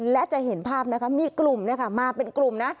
และจะเห็นภาพนะคะมีกลุ่มมาเป็นกลุ่มนะ